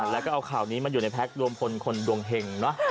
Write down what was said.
แล้วก็เอาข่าวนี้มาอยู่ในแพ็ครวมพลคนดวงเห็งเนอะ